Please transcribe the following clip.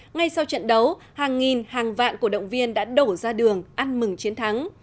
ngay sau trận đấu hàng nghìn hàng vạn cổ động viên đã đổ ra đường ăn mừng chiến thắng